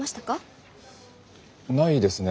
ないですね。